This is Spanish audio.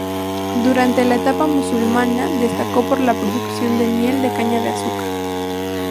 Durante la etapa musulmana destacó por la producción de miel de caña de azúcar.